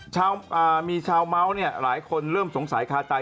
เขาบอกว่ามีชาวเมาส์หลายคนเริ่มสงสัยคาใจ